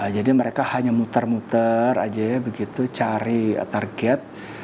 jadi mereka hanya muter muter aja ya begitu cari target